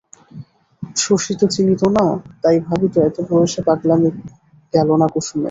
শশী তো চিনিত না, তাই ভাবিত, এত বয়সে পাগলামি গেল না কুসুমের।